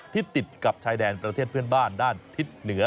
ติดกับชายแดนประเทศเพื่อนบ้านด้านทิศเหนือ